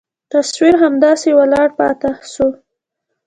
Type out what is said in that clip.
تصوير همداسې ولاړ پاته سو.